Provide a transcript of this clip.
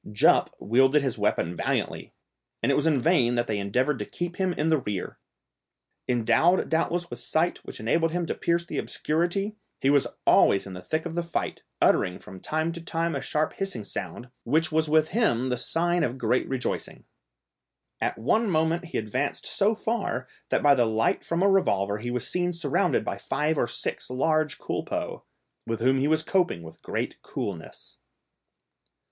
Jup wielded his weapon valiantly, and it was in vain that they endeavoured to keep him in the rear. Endowed doubtless with sight which enabled him to pierce the obscurity, he was always in the thick of the fight, uttering from time to time a sharp hissing sound, which was with him the sign of great rejoicing. At one moment he advanced so far, that by the light from a revolver he was seen surrounded by five or six large culpeux, with whom he was coping with great coolness.